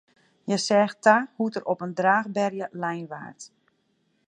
Hja seach ta hoe't er op in draachberje lein waard.